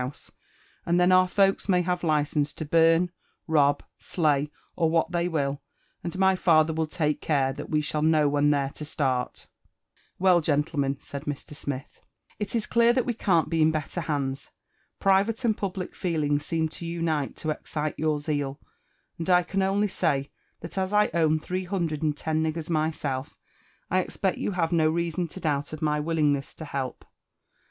house, and then our folks may have license to burn, rob, slay, or what they will; aod my fallier will take care that we shall know when they're to start." 'f Well, gentlemen, " said Mr. Smith, it is clear that we cao't be in better' hands. Private and public feelings seem to unite to exeitf your zeal; and I can only say, that as I ownihree hundred and ten niggers myself, I expect you havQ no reason to doubt of my willingness to help.